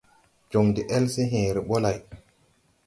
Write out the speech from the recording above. Jɔŋ de-ɛl se hẽẽre ɓɔ lay.